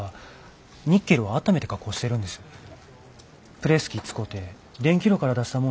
プレス機使て電気炉から出したもん